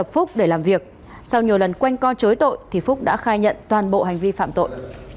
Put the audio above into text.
phúc để làm việc sau nhiều lần quanh co chối tội thì phúc đã khai nhận toàn bộ hành vi phạm tội